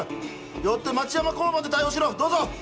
よって町山交番で対応しろどうぞ！